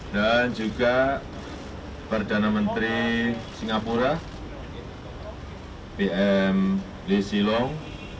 dan juga perdana menteri singapura pm lee silong